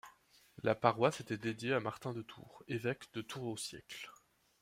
La paroisse était dédiée à Martin de Tours, évêque de Tours au siècle.